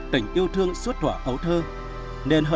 tình yêu thương suốt tuổi ấu thơ